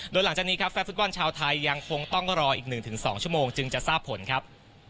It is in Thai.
โดยหลังจากนี้ครับแฟนฟุตบอลชาวไทยยังคงต้องรออีก๑๒ชั่วโมงจึงจะทราบผลครับ